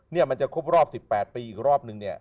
เนี่ยมันจะครบรอบ๑๘ปีอีกรอบนึงเนี่ย